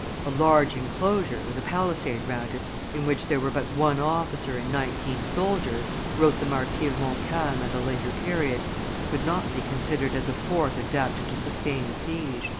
"A large enclosure, with a palisade round it, in which there were but one officer and nineteen soldiers," wrote the Marquis of Montcalm at a later period, "could not be considered as a fort adapted to sustain a siege."